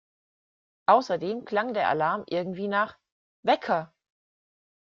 Außerdem klang der Alarm irgendwie nach … Wecker!